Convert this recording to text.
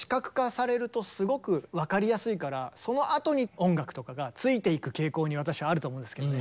やっぱりそのあとに音楽とかがついていく傾向に私はあると思うんですけどね。